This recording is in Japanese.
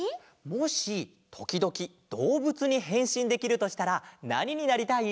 もしときどきどうぶつにへんしんできるとしたらなにになりたい？